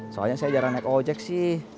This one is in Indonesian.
soalnya saya jarang naik ojek sih